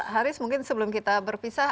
haris mungkin sebelum kita berpisah